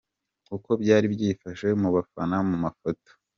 Uko byari byifashe mu bafana mu mafoto:.